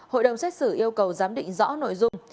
hội đồng xét xử yêu cầu giám định rõ nội dung